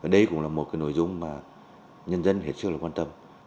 đây cũng là một nội dung mà nhân dân hết sức là quan tâm